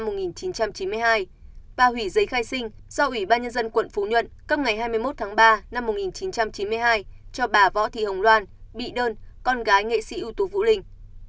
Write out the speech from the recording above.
và hủy giấy khai sinh do ủy ban nhân dân quận phú nhuận cấp ngày hai mươi một tháng ba năm một nghìn chín trăm chín mươi hai cho bà võ thị hồng loan bị đơn con gái nghệ sĩ yêu tú vũ linh